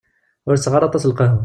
Ur tesseɣ ara aṭas lqahwa.